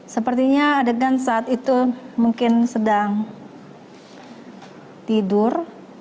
sepertinya adegan saat itu mungkin sedang tidur